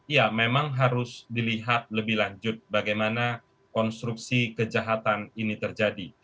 ya memang harus dilihat lebih lanjut bagaimana konstruksi kejahatan ini terjadi